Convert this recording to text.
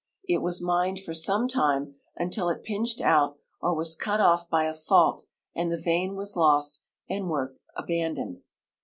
It was mined for some time, until it pinched out or was cut off by a fault and the vein Avas lost and Avork abandoned.